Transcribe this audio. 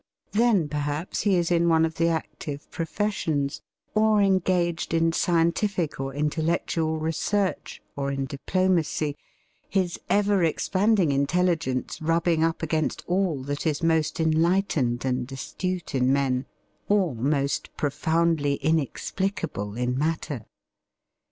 Then perhaps he is in one of the active professions, or engaged in scientific or intellectual research, or in diplomacy, his ever expanding intelligence rubbing up against all that is most enlightened and astute in men, or most profoundly inexplicable in matter.